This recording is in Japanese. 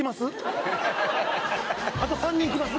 あと３人きます？